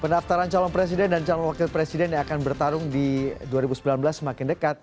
pendaftaran calon presiden dan calon wakil presiden yang akan bertarung di dua ribu sembilan belas semakin dekat